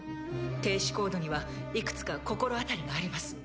停止コードにはいくつか心当たりがあります。